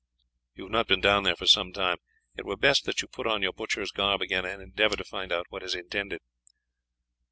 You have not been down there for some time; it were best that you put on your butcher's garb again and endeavour to find out what is intended."